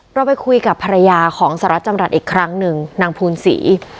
เราไปคุยกับภรรยาของสหรัฐจำรัฐอีกครั้งหนึ่งนางภูนศรี